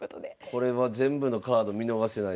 これは全部のカード見逃せないですね。